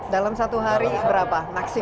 dalam satu hari berapa